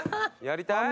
やりたい？